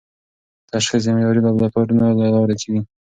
تشخیص د معیاري لابراتوارونو له لارې کېږي.